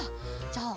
じゃああ